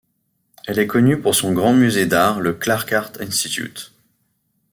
Elle est connue pour son grand musée d'art, le Clark Art Institute.